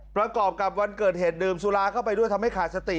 ประกอบกับวันเกิดเหตุดื่มสุราเข้าไปด้วยทำให้ขาดสติ